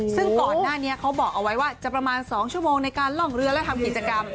ซึ่งก่อนหน้านี้เขาบอกเอาไว้ว่าจะประมาณ๒ชั่วโมงในการล่องเรือและทำกิจกรรม